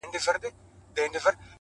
هغه به راسې; جارو کړې ده بیمار کوڅه;